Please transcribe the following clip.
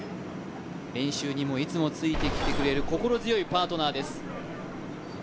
練習にもいつもついてきてくれる心強いパートナーです。